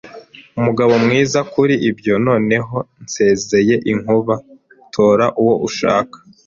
umugabo mwiza kuri ibyo? Noneho nsezeye, inkuba! Tora uwo ushaka